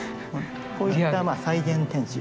こういった再現展示。